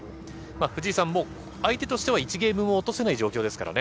藤井さん、相手としては１ゲームも落とせない状況ですからね。